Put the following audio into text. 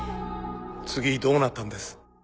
次どうなったんです？